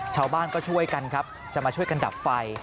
ชาวบ้านก็ช่วยกันครับจะมาช่วยกันดับไฟ